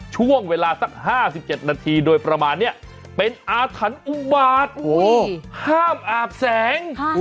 ช่วงเวลาสัก๕๗นาทีโดยประมาณนี้เป็นอาถรรพ์อุบาตห้ามอาบแสง